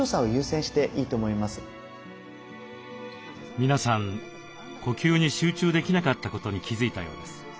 皆さん呼吸に集中できなかったことに気付いたようです。